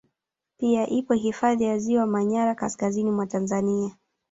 Pia ipo hifadhi ya Ziwa manyara kaskazini mwa Tanzania